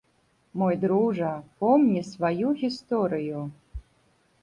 Мой дружа, помні сваю гісторыю.